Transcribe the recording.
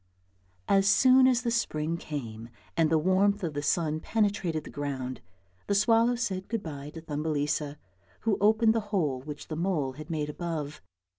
As soon as the spring came and the warmth of the sun penetrated the ground, the swallow said good bye to Thumbelisa, who opened the hole which the mole had made above.